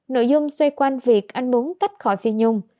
nội dung xoay quanh việc anh muốn tách khỏi phi nhung